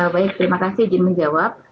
baik terima kasih di menjawab